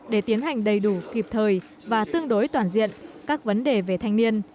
để tiến hành đầy đủ kịp thời và tương đối toàn diện các vấn đề về thanh niên